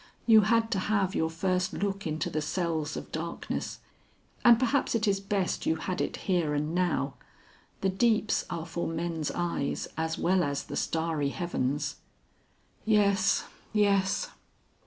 You had to have your first look into the cells of darkness, and perhaps it is best you had it here and now. The deeps are for men's eyes as well as the starry heavens." "Yes, yes."